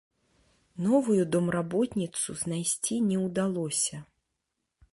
Новую домработніцу знайсці не ўдалося.